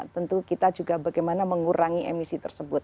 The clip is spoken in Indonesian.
tentu kita juga bagaimana mengurangi emisi tersebut